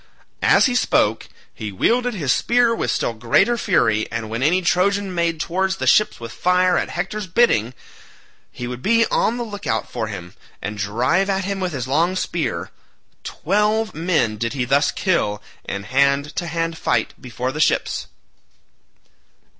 As he spoke he wielded his spear with still greater fury, and when any Trojan made towards the ships with fire at Hector's bidding, he would be on the look out for him, and drive at him with his long spear. Twelve men did he thus kill in hand to hand fight before the ships.